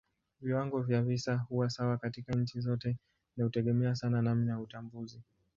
Viwango vya visa huwa sawa katika nchi zote na hutegemea sana namna ya utambuzi.